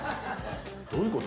どういうこと？